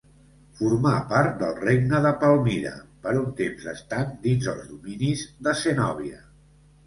Formà part del regne de Palmira per un temps estant dins els dominis de Zenòbia.